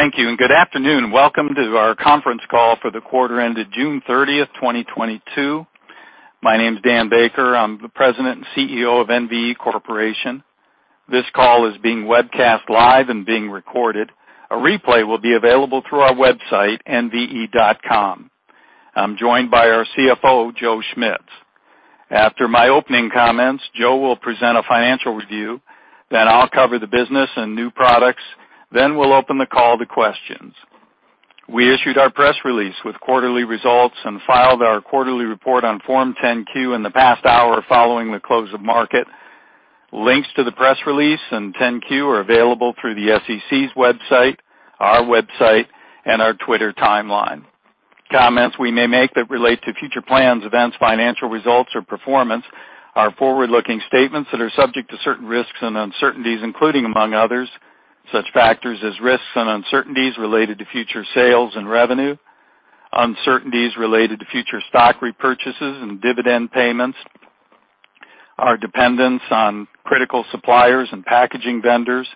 Thank you and good afternoon. Welcome to our Conference Call for the Quarter Ended June 30, 2022. My name's Dan Baker. I'm the President and CEO of NVE Corporation. This call is being webcast live and being recorded. A replay will be available through our website, nve.com. I'm joined by our CFO, Joe Schmitz. After my opening comments, Joe will present a financial review. Then I'll cover the business and new products. Then we'll open the call to questions. We issued our press release with quarterly results and filed our quarterly report on Form 10-Q in the past hour following the close of market. Links to the press release and 10-Q are available through the SEC's website, our website, and our Twitter timeline. Comments we may make that relate to future plans, events, financial results, or performance are forward-looking statements that are subject to certain risks and uncertainties, including, among others, such factors as risks and uncertainties related to future sales and revenue, uncertainties related to future stock repurchases and dividend payments, our dependence on critical suppliers and packaging vendors,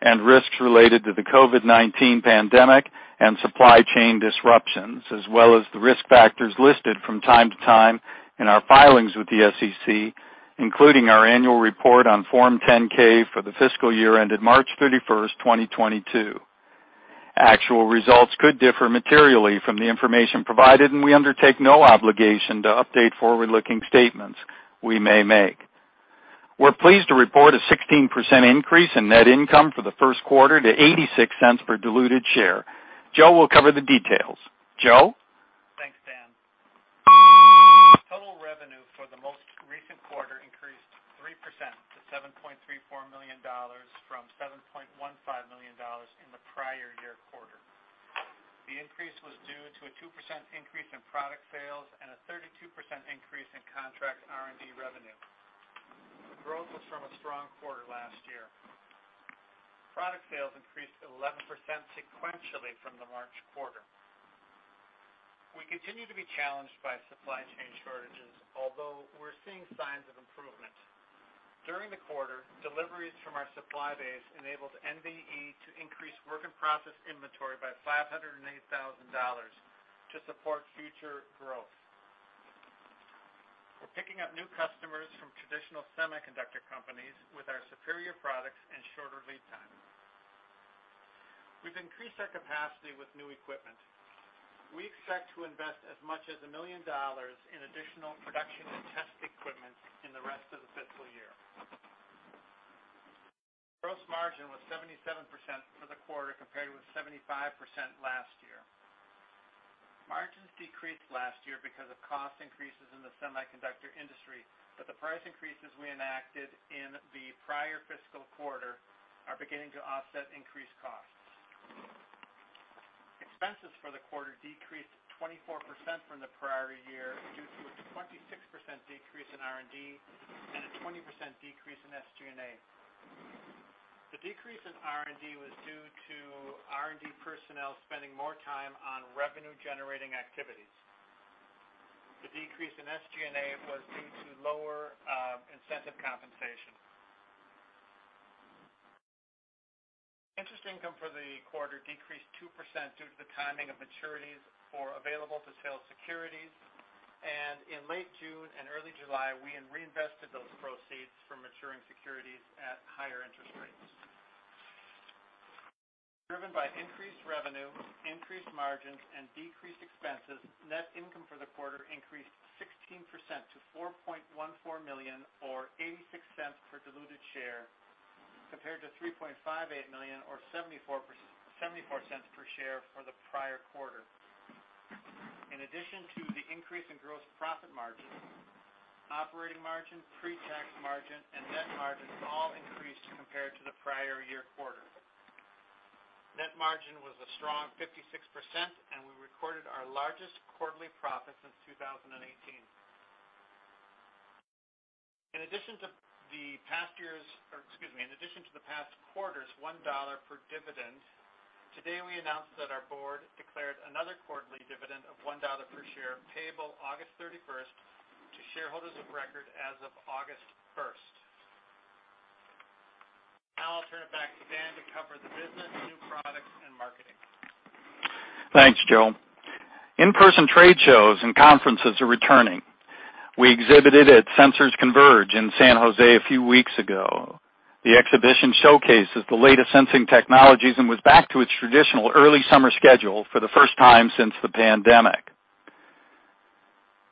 and risks related to the COVID-19 pandemic and supply chain disruptions, as well as the risk factors listed from time to time in our filings with the SEC, including our annual report on Form 10-K for the fiscal year ended March 31st, 2022. Actual results could differ materially from the information provided, and we undertake no obligation to update forward-looking statements we may make. We're pleased to report a 16% increase in net income for the first quarter to $0.86 per diluted share. Joe will cover the details. Joe? Thanks, Dan. Total revenue for the most recent quarter increased 3% to $7.34 million from $7.15 million in the prior year quarter. The increase was due to a 2% increase in product sales and a 32% increase in contract R&D revenue. Growth was from a strong quarter last year. Product sales increased 11% sequentially from the March quarter. We continue to be challenged by supply chain shortages, although we're seeing signs of improvement. During the quarter, deliveries from our supply base enabled NVE to increase work in process inventory by $508,000 to support future growth. We're picking up new customers from traditional semiconductor companies with our superior products and shorter lead time. We've increased our capacity with new equipment. We expect to invest as much as $1 million in additional production and test equipment in the rest of the fiscal year. Gross margin was 77% for the quarter, compared with 75% last year. Margins decreased last year because of cost increases in the semiconductor industry. The price increases we enacted in the prior fiscal quarter are beginning to offset increased costs. Expenses for the quarter decreased 24% from the prior year due to a 26% decrease in R&D and a 20% decrease in SG&A. The decrease in R&D was due to R&D personnel spending more time on revenue-generating activities. The decrease in SG&A was due to lower incentive compensation. Interest income for the quarter decreased 2% due to the timing of maturities for available-for-sale securities, and in late June and early July, we reinvested those proceeds from maturing securities at higher interest rates. Driven by increased revenue, increased margins, and decreased expenses, net income for the quarter increased 16% to $4.14 million, or $0.86 per diluted share, compared to $3.58 million or $0.74 per share for the prior quarter. In addition to the increase in gross profit margin, operating margin, pre-tax margin, and net margins all increased compared to the prior-year quarter. Net margin was a strong 56%, and we recorded our largest quarterly profit since 2018. In addition to the past quarter's $1 per dividend, today we announced that our board declared another quarterly dividend of $1 per share, payable August 31, to shareholders of record as of August 1st. Now I'll turn it back to Dan to cover the business, new products, and marketing. Thanks, Joe. In-person trade shows and conferences are returning. We exhibited at Sensors Converge in San José a few weeks ago. The exhibition showcases the latest sensing technologies and was back to its traditional early summer schedule for the first time since the pandemic.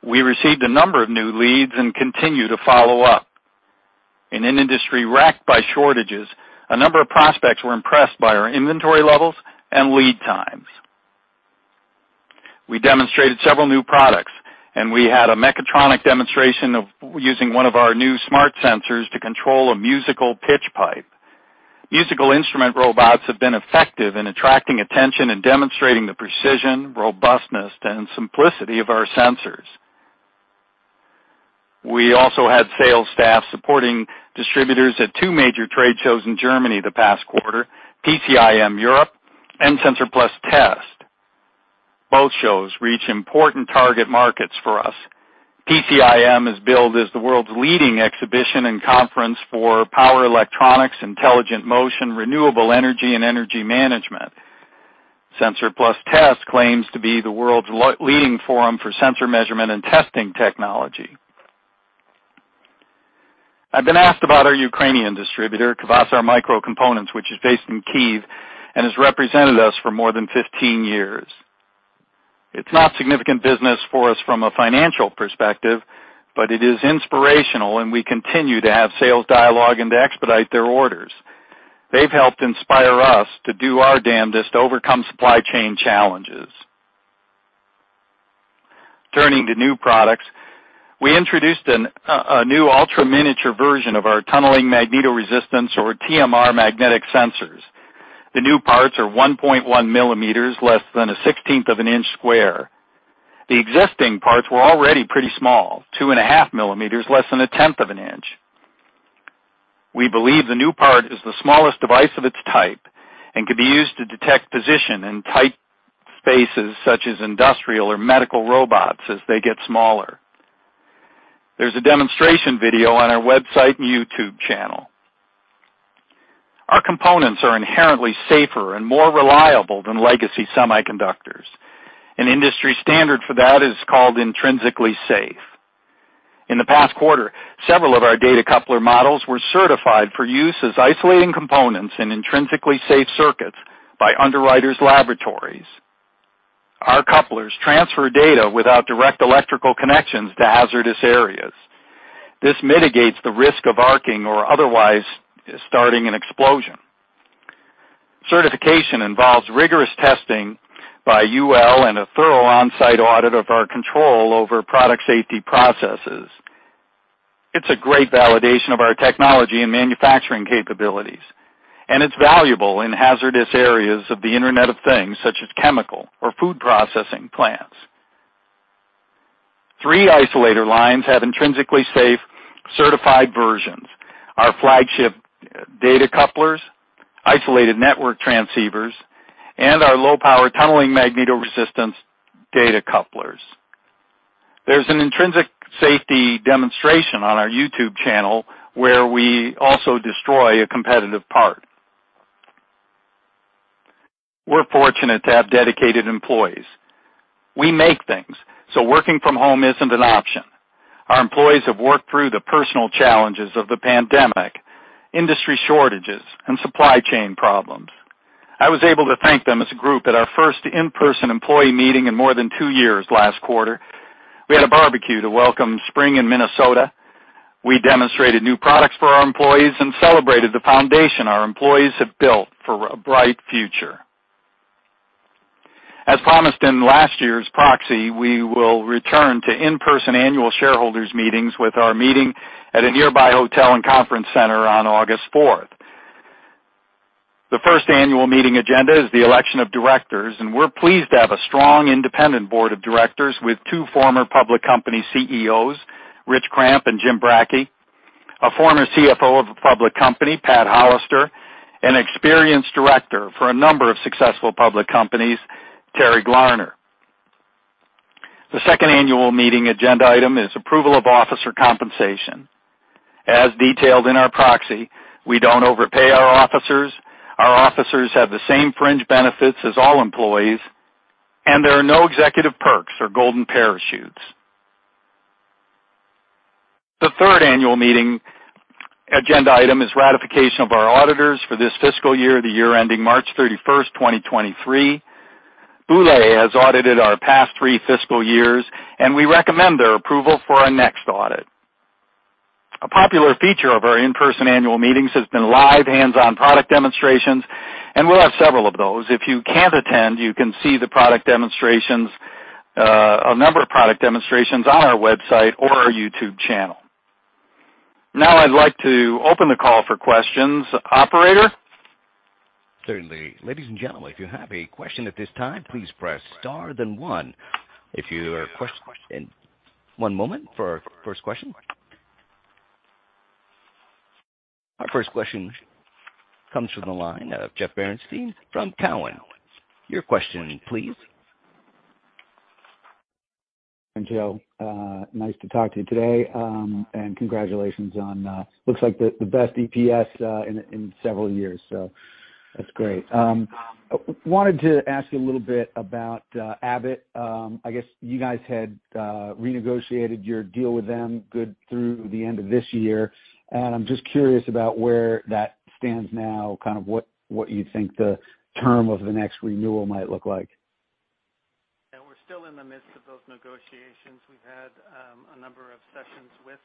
We received a number of new leads and continue to follow up. In an industry racked by shortages, a number of prospects were impressed by our inventory levels and lead times. We demonstrated several new products, and we had a mechatronic demonstration of using one of our new smart sensors to control a musical pitch pipe. Musical instrument robots have been effective in attracting attention and demonstrating the precision, robustness, and simplicity of our sensors. We also had sales staff supporting distributors at two major trade shows in Germany the past quarter, PCIM Europe and SENSOR+TEST. Both shows reach important target markets for us. PCIM is billed as the world's leading exhibition and conference for power electronics, intelligent motion, renewable energy, and energy management. SENSOR+TEST claims to be the world's leading forum for sensor measurement and testing technology. I've been asked about our Ukrainian distributor, Kvazar-Micro, which is based in Kyiv, and has represented us for more than 15 years. It's not significant business for us from a financial perspective, but it is inspirational, and we continue to have sales dialogue and to expedite their orders. They've helped inspire us to do our damnedest to overcome supply chain challenges. Turning to new products, we introduced a new ultra-miniature version of our Tunneling Magnetoresistance, or TMR magnetic sensors. The new parts are 1.1 mm, less than a 16 of an inch square. The existing parts were already pretty small, 2.5 mm, less than 0.1 inch. We believe the new part is the smallest device of its type and can be used to detect position in tight spaces such as industrial or medical robots as they get smaller. There's a demonstration video on our website and YouTube channel. Our components are inherently safer and more reliable than legacy semiconductors. An industry standard for that is called Intrinsically Safe. In the past quarter, several of our data coupler models were certified for use as isolating components in Intrinsically Safe circuits by Underwriters Laboratories. Our couplers transfer data without direct electrical connections to hazardous areas. This mitigates the risk of arcing or otherwise starting an explosion. Certification involves rigorous testing by UL and a thorough on-site audit of our control over product safety processes. It's a great validation of our technology and manufacturing capabilities, and it's valuable in hazardous areas of the Internet of Things, such as chemical or food processing plants. Three isolator lines have intrinsically safe certified versions, our flagship data couplers, Isolated Network Transceivers, and our low-power Tunneling Magnetoresistance data couplers. There's an intrinsic safety demonstration on our YouTube channel, where we also destroy a competitive part. We're fortunate to have dedicated employees. We make things, so working from home isn't an option. Our employees have worked through the personal challenges of the pandemic, industry shortages, and supply chain problems. I was able to thank them as a group at our first in-person employee meeting in more than two years last quarter. We had a barbecue to welcome spring in Minnesota. We demonstrated new products for our employees and celebrated the foundation our employees have built for a bright future. As promised in last year's proxy, we will return to in-person annual shareholders meetings with our meeting at a nearby hotel and conference center on August 4th. The first annual meeting agenda is the election of directors, and we're pleased to have a strong independent board of directors with two former public company CEOs, Rich Kramp and Jim Bracke, a former CFO of a public company, Pat Hollister, an experienced director for a number of successful public companies, Terry Glarner. The second annual meeting agenda item is approval of officer compensation. As detailed in our proxy, we don't overpay our officers. Our officers have the same fringe benefits as all employees, and there are no executive perks or golden parachutes. The third annual meeting agenda item is ratification of our auditors for this fiscal year, the year ending March 31st, 2023. Boulay has audited our past three fiscal years, and we recommend their approval for our next audit. A popular feature of our in-person annual meetings has been live hands-on product demonstrations, and we'll have several of those. If you can't attend, you can see the product demonstrations, a number of product demonstrations on our website or our YouTube channel. Now I'd like to open the call for questions. Operator? Certainly. Ladies and gentlemen, if you have a question at this time, please press star then one. One moment for our first question. Our first question comes from the line of Jeffrey Bernstein from Cowen. Your question, please. Joe, nice to talk to you today, and congratulations on looks like the best EPS in several years, so that's great. Wanted to ask you a little bit about Abbott. I guess you guys had renegotiated your deal with them good through the end of this year, and I'm just curious about where that stands now, kind of what you think the term of the next renewal might look like. Yeah, we're still in the midst of those negotiations. We've had a number of sessions with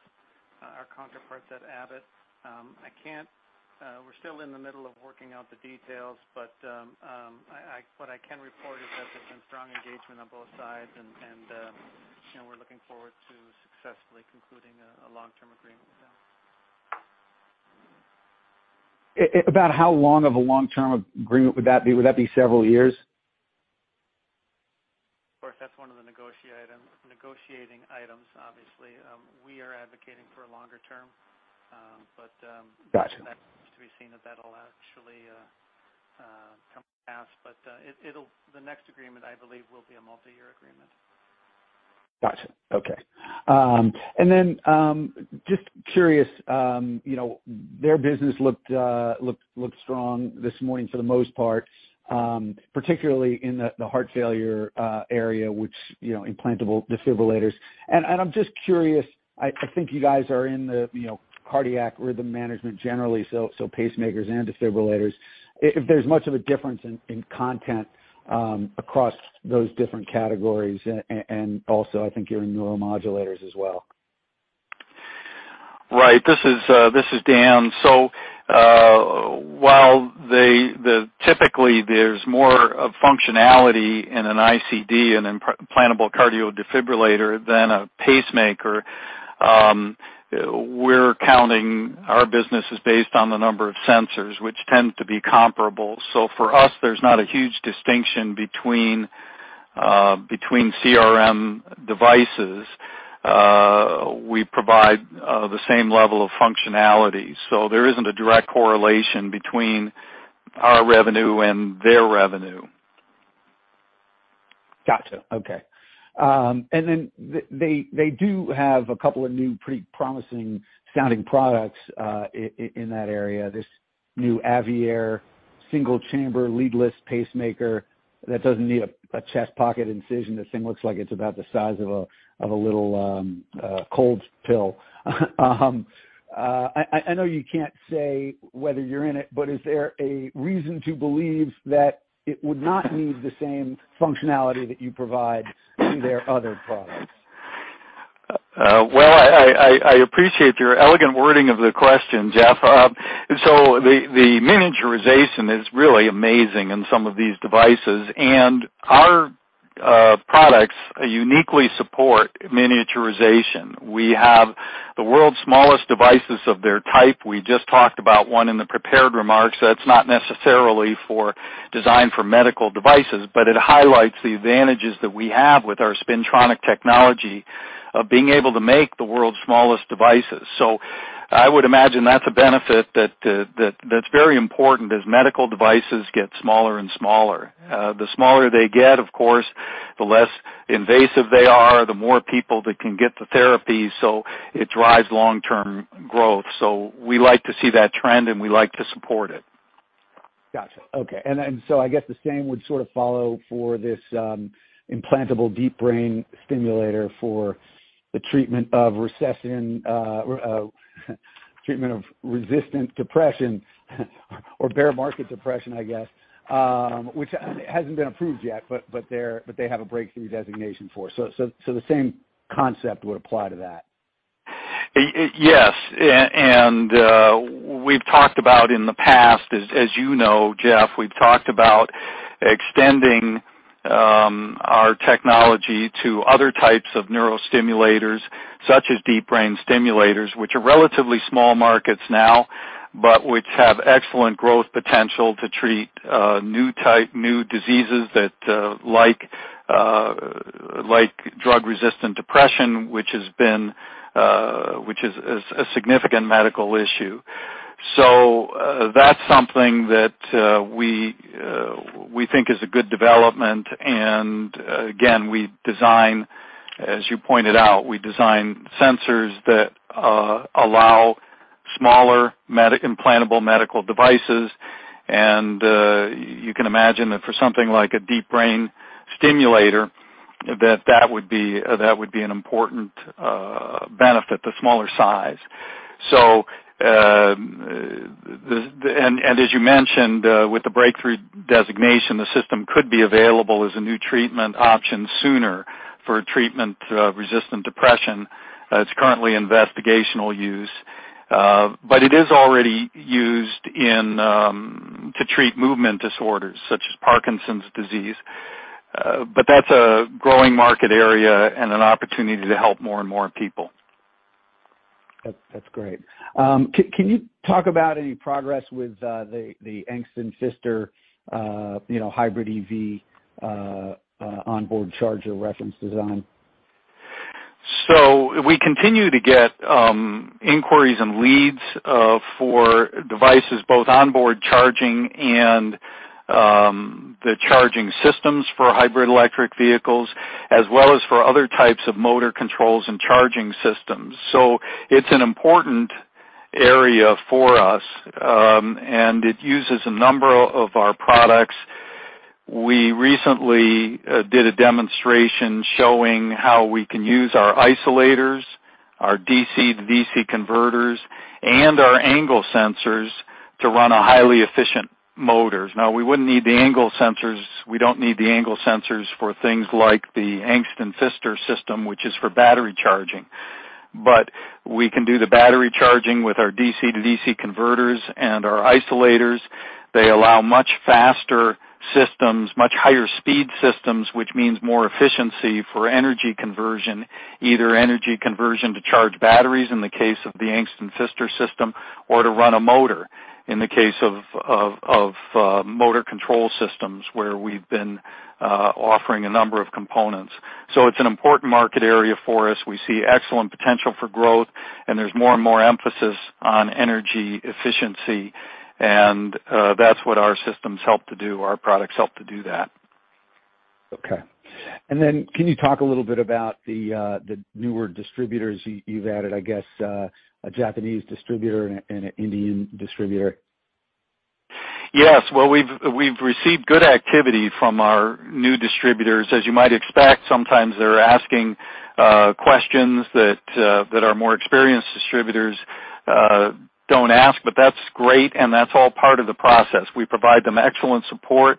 our counterparts at Abbott. We're still in the middle of working out the details, but what I can report is that there's been strong engagement on both sides, and you know, we're looking forward to successfully concluding a long-term agreement with them. About how long of a long-term agreement would that be? Would that be several years? Of course, that's one of the negotiating items, obviously. We are advocating for a longer term, but, Gotcha. That remains to be seen. The next agreement, I believe, will be a multiyear agreement. Gotcha. Okay. Just curious, you know, their business looked strong this morning for the most part, particularly in the heart failure area, which, you know, implantable defibrillators. I'm just curious, I think you guys are in the, you know, cardiac rhythm management generally, so pacemakers and defibrillators. If there's much of a difference in content across those different categories and also, I think you're in neuromodulators as well. Right. This is Dan. While typically there's more functionality in an ICD, an implantable cardioverter defibrillator than a pacemaker, we're counting our businesses based on the number of sensors, which tend to be comparable. For us, there's not a huge distinction between CRM devices. We provide the same level of functionality. There isn't a direct correlation between our revenue and their revenue. Gotcha. Okay. And then they do have a couple of new pretty promising sounding products in that area, this new Aveir single-chamber leadless pacemaker that doesn't need a chest pocket incision. This thing looks like it's about the size of a little cold pill. I know you can't say whether you're in it, but is there a reason to believe that it would not need the same functionality that you provide to their other products? I appreciate your elegant wording of the question, Jeff. The miniaturization is really amazing in some of these devices, and our products uniquely support miniaturization. We have the world's smallest devices of their type. We just talked about one in the prepared remarks that's not necessarily for design for medical devices, but it highlights the advantages that we have with our spintronic technology of being able to make the world's smallest devices. I would imagine that's a benefit that's very important as medical devices get smaller and smaller. The smaller they get, of course, the less invasive they are, the more people that can get the therapy, so it drives long-term growth. We like to see that trend and we like to support it. Gotcha. Okay. I guess the same would sort of follow for this, implantable deep brain stimulator for the treatment of resistant depression, or bear market depression, I guess, which hasn't been approved yet, but they have a breakthrough designation for. The same concept would apply to that. Yes. We've talked about in the past as you know, Jeff, we've talked about extending our technology to other types of neurostimulators, such as deep brain stimulators, which are relatively small markets now, but which have excellent growth potential to treat new types of diseases like drug-resistant depression, which is a significant medical issue. That's something that we think is a good development. Again, we design, as you pointed out, we design sensors that allow smaller implantable medical devices. You can imagine that for something like a deep brain stimulator, that would be an important benefit, the smaller size. As you mentioned, with the breakthrough designation, the system could be available as a new treatment option sooner for treatment of resistant depression. It's currently investigational use, but it is already used to treat movement disorders such as Parkinson's disease. That's a growing market area and an opportunity to help more and more people. That's great. Can you talk about any progress with the Angst+Pfister, you know, hybrid EV onboard charger reference design? We continue to get inquiries and leads for devices both onboard charging and the charging systems for hybrid Electric Vehicles, as well as for other types of motor controls and charging systems. It's an important area for us, and it uses a number of our products. We recently did a demonstration showing how we can use our isolators, our DC-to-DC converters, and our angle sensors to run a highly efficient motor. Now, we wouldn't need the angle sensors, we don't need the angle sensors for things like the Angst+Pfister system, which is for battery charging. We can do the battery charging with our DC-to-DC converters and our isolators. They allow much faster systems, much higher speed systems, which means more efficiency for energy conversion, either energy conversion to charge batteries in the case of the Angst+Pfister system or to run a motor in the case of motor control systems, where we've been offering a number of components. It's an important market area for us. We see excellent potential for growth, and there's more and more emphasis on energy efficiency, and that's what our systems help to do, our products help to do that. Can you talk a little bit about the newer distributors you've added, I guess, a Japanese distributor and an Indian distributor? Yes. Well, we've received good activity from our new distributors. As you might expect, sometimes they're asking questions that our more experienced distributors don't ask, but that's great, and that's all part of the process. We provide them excellent support.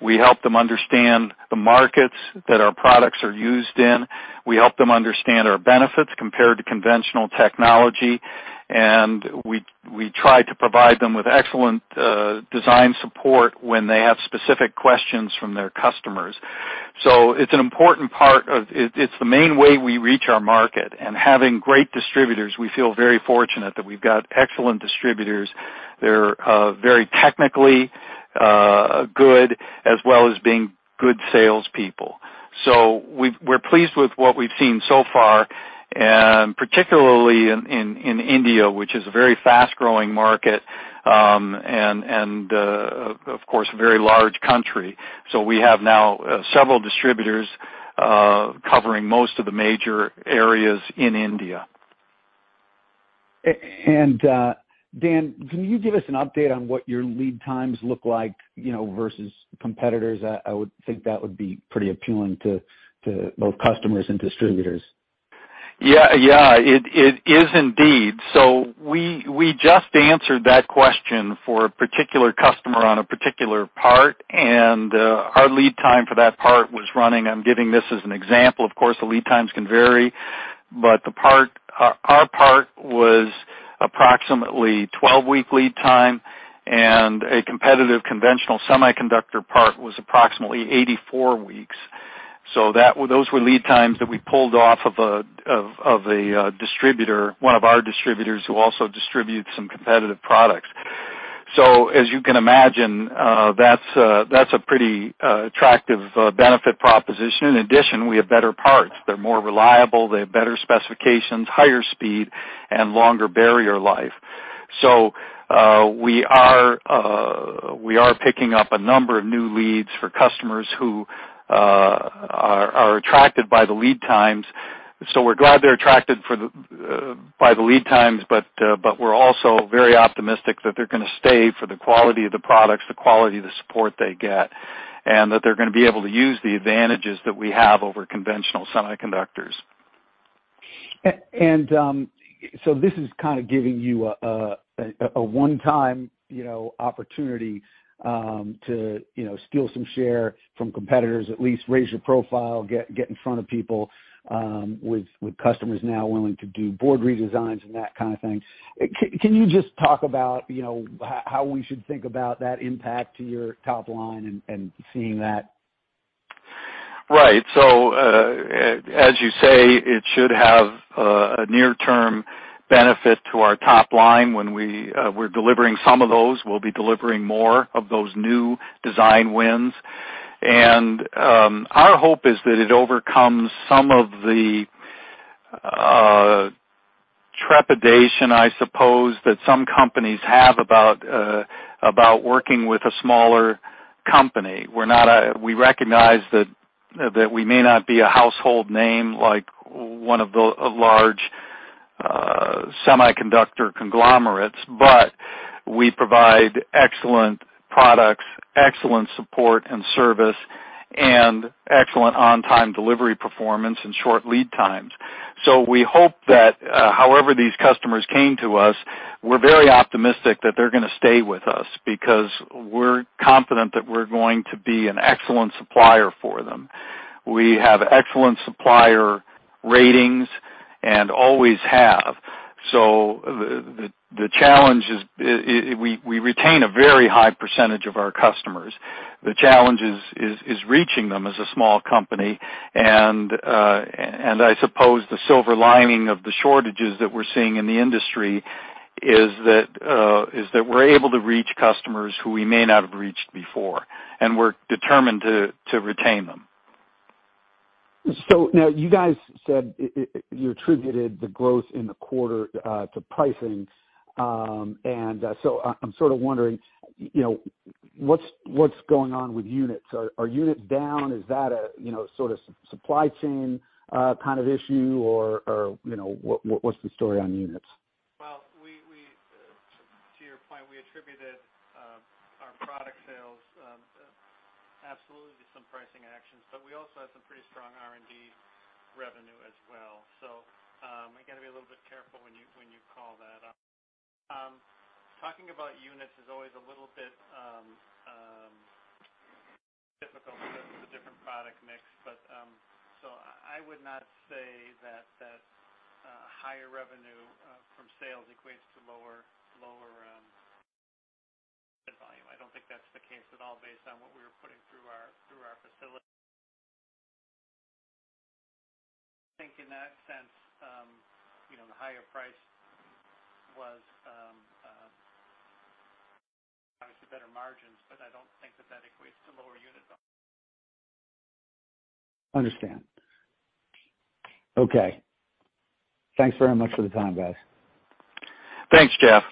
We help them understand the markets that our products are used in. We help them understand our benefits compared to conventional technology, and we try to provide them with excellent design support when they have specific questions from their customers. It's an important part of it. It's the main way we reach our market. Having great distributors, we feel very fortunate that we've got excellent distributors. They're very technically good, as well as being good salespeople. We're pleased with what we've seen so far, and particularly in India, which is a very fast-growing market, and of course, a very large country. We have now several distributors covering most of the major areas in India. Dan, can you give us an update on what your lead times look like, you know, versus competitors? I would think that would be pretty appealing to both customers and distributors. Yeah. It is indeed. We just answered that question for a particular customer on a particular part, and our lead time for that part was running. I'm giving this as an example, of course the lead times can vary. The part, our part was approximately 12-week lead time, and a competitive conventional semiconductor part was approximately 84-weeks. Those were lead times that we pulled off of a distributor, one of our distributors who also distributes some competitive products. As you can imagine, that's a pretty attractive benefit proposition. In addition, we have better parts. They're more reliable, they have better specifications, higher speed, and longer barrier life. We are picking up a number of new leads for customers who are attracted by the lead times. We're glad they're attracted by the lead times, but we're also very optimistic that they're gonna stay for the quality of the products, the quality of the support they get, and that they're gonna be able to use the advantages that we have over conventional semiconductors. This is kind of giving you a one-time, you know, opportunity to you know, steal some share from competitors, at least raise your profile, get in front of people, with customers now willing to do board redesigns and that kind of thing. Can you just talk about, you know, how we should think about that impact to your top line and seeing that? Right. As you say, it should have a near-term benefit to our top line when we're delivering some of those. We'll be delivering more of those new design wins. Our hope is that it overcomes some of the trepidation, I suppose, that some companies have about working with a smaller company. We recognize that we may not be a household name like one of the large semiconductor conglomerates, but we provide excellent products, excellent support and service, and excellent on-time delivery performance and short lead times. We hope that however these customers came to us, we're very optimistic that they're gonna stay with us because we're confident that we're going to be an excellent supplier for them. We have excellent supplier ratings and always have. The challenge is we retain a very high percentage of our customers. The challenge is reaching them as a small company. I suppose the silver lining of the shortages that we're seeing in the industry is that we're able to reach customers who we may not have reached before, and we're determined to retain them. Now you guys said it. You attributed the growth in the quarter to pricing. I'm sort of wondering, you know, what's going on with units? Are units down? Is that a, you know, sort of supply chain kind of issue or, you know, what's the story on units? Well, to your point, we attributed our product sales absolutely to some pricing actions, but we also had some pretty strong R&D revenue as well. We gotta be a little bit careful when you call that. Talking about units is always a little bit difficult because of the different product mix, but so I would not say that higher revenue from sales equates to lower unit volume. I don't think that's the case at all based on what we were putting through our facility. I think in that sense, you know, the higher price was obviously better margins, but I don't think that equates to lower unit volume. Understand. Okay. Thanks very much for the time, guys. Thanks, Jeff.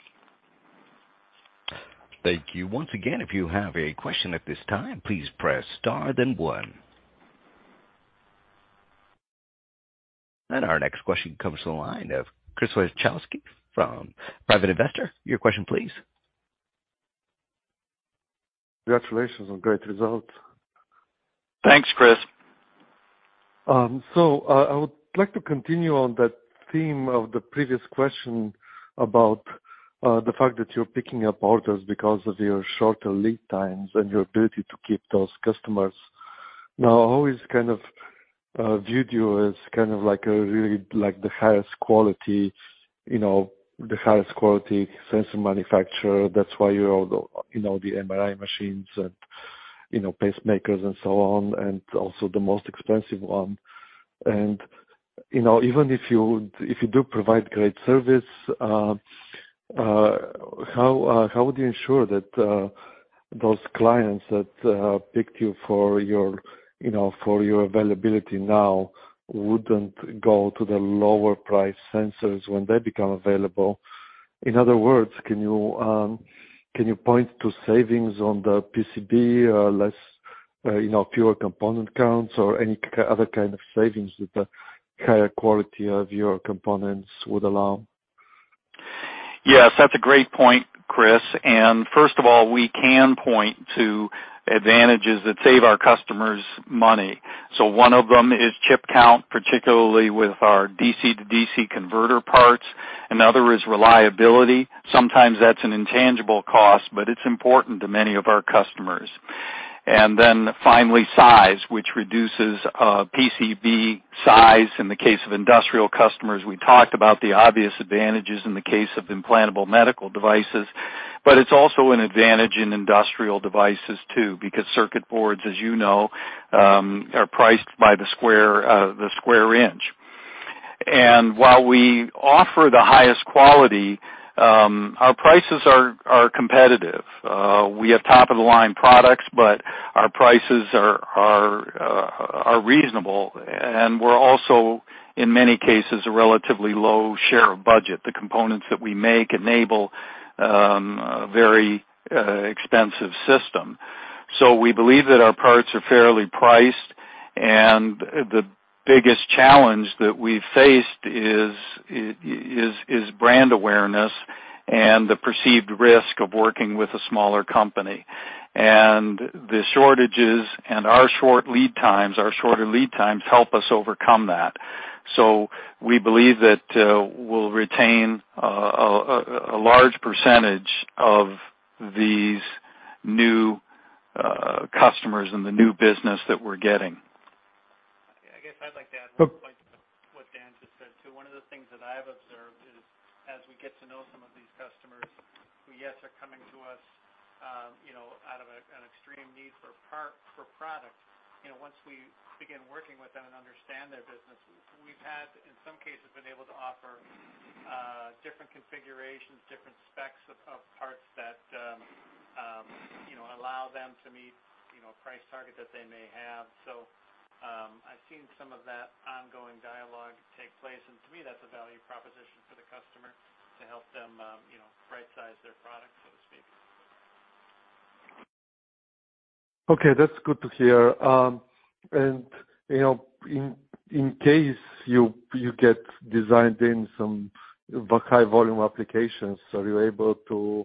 Thank you. Once again, if you have a question at this time, please press star, then one. Our next question comes to the line of Chris Wieczerkowski from Private Investor. Your question please. Congratulations on great results. Thanks, Chris. I would like to continue on that theme of the previous question about the fact that you're picking up orders because of your shorter lead times and your ability to keep those customers. Now, I always kind of viewed you as kind of like a really like the highest quality, you know, the highest quality sensor manufacturer. That's why you have the, you know, the MRI machines and, you know, pacemakers and so on, and also the most expensive one. You know, even if you do provide great service, how would you ensure that those clients that picked you for your, you know, for your availability now wouldn't go to the lower price sensors when they become available? In other words, can you point to savings on the PCB, you know, fewer component counts or any other kind of savings that the higher quality of your components would allow? Yes, that's a great point, Chris. First of all, we can point to advantages that save our customers money. One of them is chip count, particularly with our DC-to-DC converter parts. Another is reliability. Sometimes that's an intangible cost, but it's important to many of our customers. Then finally, size, which reduces PCB size in the case of industrial customers. We talked about the obvious advantages in the case of implantable medical devices, but it's also an advantage in industrial devices too, because circuit boards, as you know, are priced by the square inch. While we offer the highest quality, our prices are competitive. We have top of the line products, but our prices are reasonable. We're also, in many cases, a relatively low share of budget. The components that we make enable a very expensive system. We believe that our parts are fairly priced. The biggest challenge that we've faced is brand awareness and the perceived risk of working with a smaller company. The shortages and our shorter lead times help us overcome that. We believe that we'll retain a large percentage of these new customers and the new business that we're getting. I guess I'd like to add one point to what Dan just said, too. One of the things that I've observed is, as we get to know some of these customers who, yes, are coming to us, you know, out of an extreme need for product, you know, once we begin working with them and understand their business, we've had, in some cases, been able to offer different configurations, different specs of parts that you know, allow them to meet, you know, a price target that they may have. I've seen some of that ongoing dialogue take place, and to me, that's a value proposition for the customer to help them, you know, right-size their product, so to speak. Okay, that's good to hear. You know, in case you get designed in some high volume applications, are you able to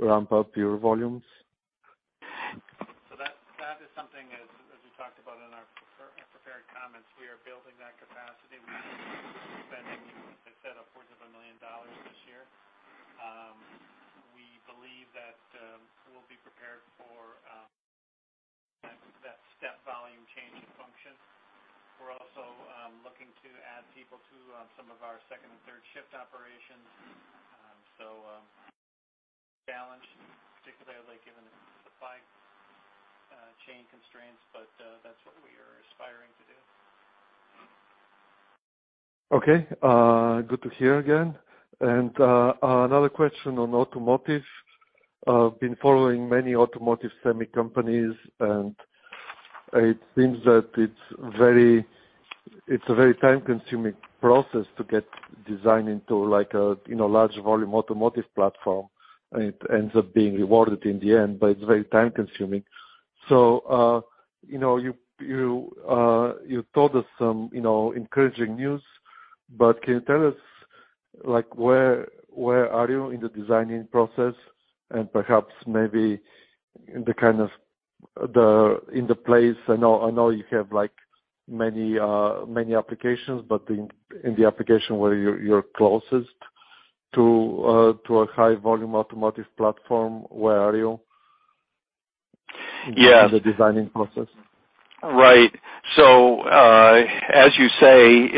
ramp up your volumes? That is something as we talked about in our pre-prepared comments, we are building that capacity. We will be spending, as I said, upwards of $1 million this year. We believe that we'll be prepared for that step volume change in function. We're also looking to add people to some of our second and third shift operations. Challenge, particularly given the supply chain constraints, but that's what we are aspiring to do. Good to hear again. Another question on automotive. I've been following many automotive semi companies, and it seems that it's a very time-consuming process to get design into like a, you know, large-volume automotive platform, and it ends up being rewarded in the end, but it's very time-consuming. You know, you told us some, you know, encouraging news, but can you tell us, like, where are you in the designing process and perhaps maybe in the place. I know you have, like, many applications, but in the application where you're closest to a high volume automotive platform, where are you- Yeah. In the designing process? Right. As you say,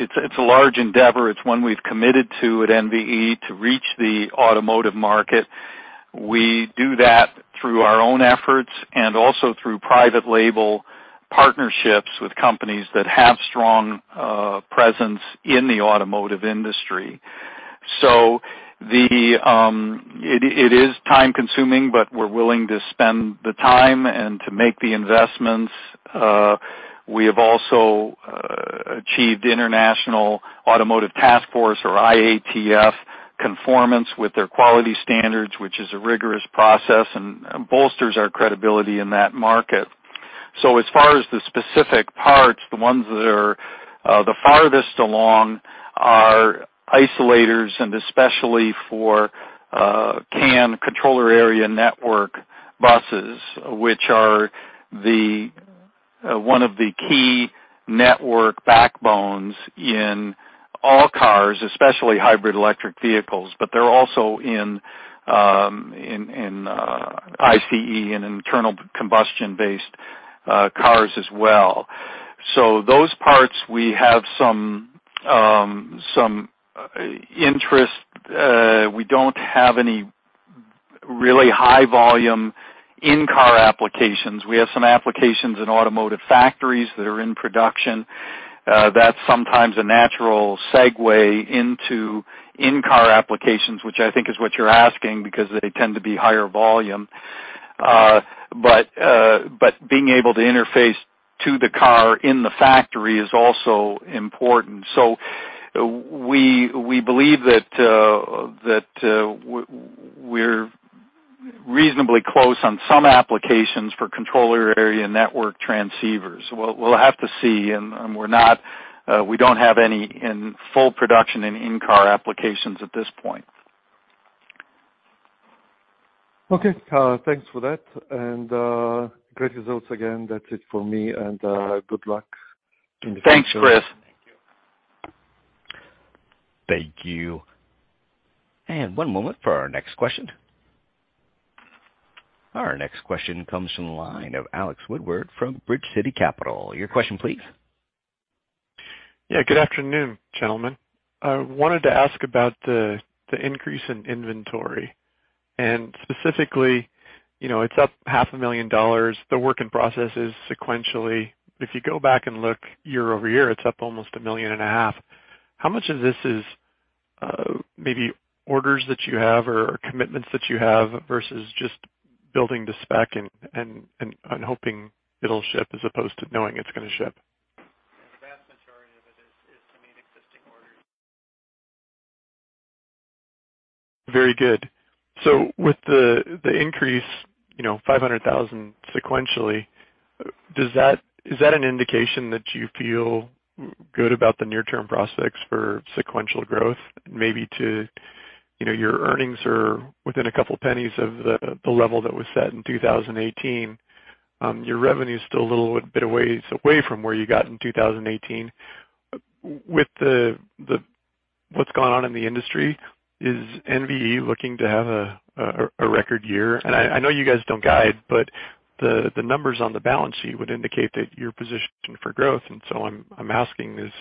it's a large endeavor. It's one we've committed to at NVE to reach the automotive market. We do that through our own efforts and also through private label partnerships with companies that have strong presence in the automotive industry. It is time-consuming, but we're willing to spend the time and to make the investments. We have also achieved International Automotive Task Force or IATF conformance with their quality standards, which is a rigorous process and bolsters our credibility in that market. As far as the specific parts, the ones that are the farthest along are isolators and especially for CAN, Controller Area Network buses, which are one of the key network backbones in all cars, especially hybrid electric vehicles, but they're also in ICE and internal combustion-based cars as well. Those parts, we have some interest. We don't have any really high volume in-car applications. We have some applications in automotive factories that are in production. That's sometimes a natural segue into in-car applications, which I think is what you're asking, because they tend to be higher volume. But being able to interface to the car in the factory is also important. We believe that we're reasonably close on some applications for Controller Area Network transceivers. We'll have to see, and we're not, we don't have any in full production in-car applications at this point. Okay. Thanks for that. Great results again. That's it for me. Good luck in the future. Thanks, Chris. Thank you. One moment for our next question. Our next question comes from the line of Alex Woodward from Bridge City Capital. Your question, please. Yeah, good afternoon, gentlemen. I wanted to ask about the increase in inventory and specifically, you know, it's up half a million dollars. The work in process is sequentially. If you go back and look year-over-year, it's up almost $1.5 million. How much of this is maybe orders that you have or commitments that you have versus just building to spec and hoping it'll ship as opposed to knowing it's gonna ship? The vast majority of it is to meet existing orders. Very good. With the increase, you know, $500,000 sequentially, is that an indication that you feel good about the near-term prospects for sequential growth, maybe too, you know, your earnings are within a couple pennies of the level that was set in 2018. Your revenue is still a little bit ways away from where you got in 2018. With what's going on in the industry, is NVE looking to have a record year? I know you guys don't guide, but the numbers on the balance sheet would indicate that you're positioned for growth. I'm asking is,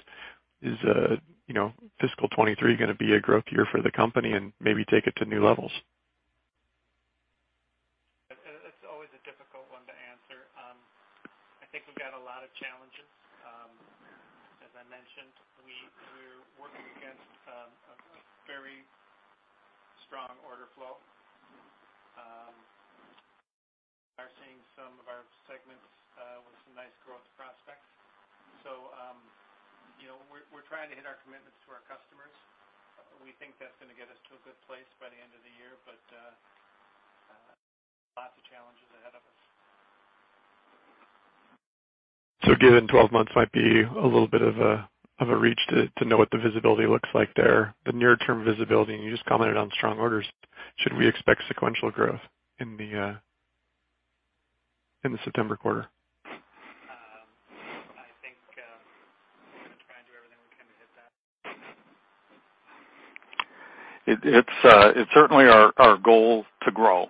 you know, fiscal 2023 gonna be a growth year for the company and maybe take it to new levels? It's always a difficult one to answer. I think we've got a lot of challenges. As I mentioned, we're working against a very strong order flow. Are seeing some of our segments with some nice growth prospects. You know, we're trying to hit our commitments to our customers. We think that's gonna get us to a good place by the end of the year. Lots of challenges ahead of us. Given 12-months might be a little bit of a reach to know what the visibility looks like there, the near-term visibility, and you just commented on strong orders, should we expect sequential growth in the September quarter? I think, we're gonna try and do everything we can to hit that. It's certainly our goal to grow.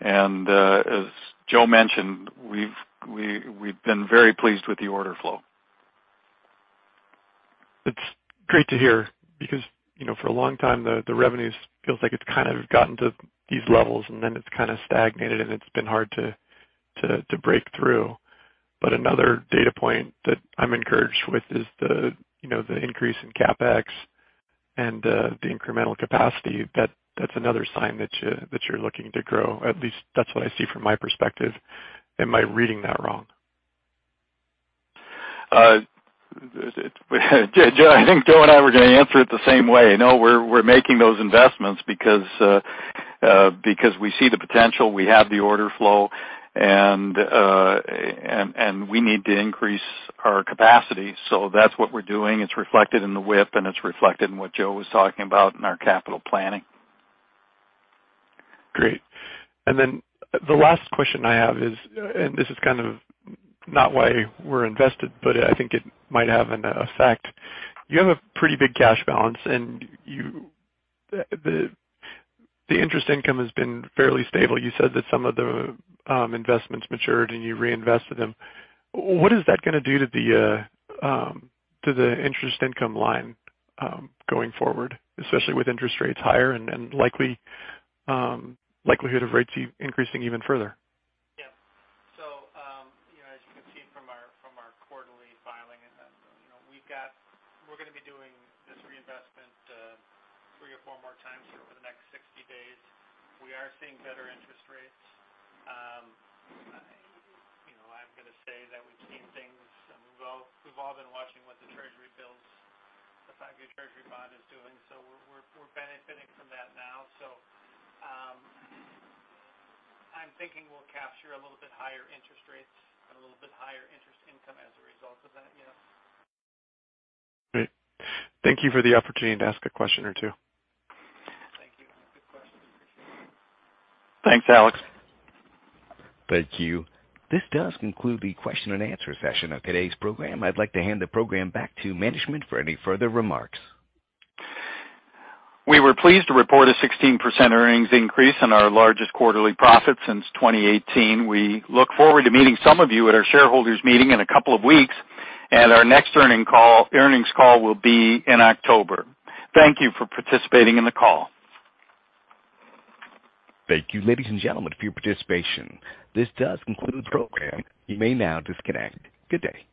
As Joe mentioned, we've been very pleased with the order flow. It's great to hear because, you know, for a long time the revenues feels like it's kind of gotten to these levels, and then it's kind of stagnated, and it's been hard to break through. Another data point that I'm encouraged with is the, you know, the increase in CapEx and the incremental capacity. That's another sign that you're looking to grow. At least that's what I see from my perspective. Am I reading that wrong? Joe, I think Joe and I were gonna answer it the same way. No, we're making those investments because we see the potential. We have the order flow, and we need to increase our capacity. That's what we're doing. It's reflected in the WIP, and it's reflected in what Joe was talking about in our capital planning. Great. The last question I have is, and this is kind of not why we're invested, but I think it might have an effect. You have a pretty big cash balance, and the interest income has been fairly stable. You said that some of the investments matured and you reinvested them. What is that gonna do to the interest income line going forward, especially with interest rates higher and likely likelihood of rates increasing even further? Yeah. You know, as you can see from our quarterly filing, you know, we're gonna be doing this reinvestment three or four more times here over the next 60 days. We are seeing better interest rates. You know, I'm gonna say that we've seen things, and we've all been watching what the treasury bills, the five-year Treasury bond is doing. We're benefiting from that now. I'm thinking we'll capture a little bit higher interest rates and a little bit higher interest income as a result of that, yes. Great. Thank you for the opportunity to ask a question or two. Thank you. Good question. Appreciate it. Thanks, Alex. Thank you. This does conclude the question and answer session of today's program. I'd like to hand the program back to management for any further remarks. We were pleased to report a 16% earnings increase on our largest quarterly profit since 2018. We look forward to meeting some of you at our shareholders meeting in a couple of weeks, and our next Earnings Call will be in October. Thank you for participating in the call. Thank you, ladies and gentlemen, for your participation. This does conclude the program. You may now disconnect. Good day.